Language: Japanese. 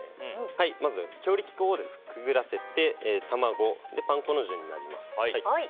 まず強力粉をくぐらせて卵、パン粉の順になります。